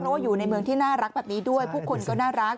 เพราะว่าอยู่ในเมืองที่น่ารักแบบนี้ด้วยผู้คนก็น่ารัก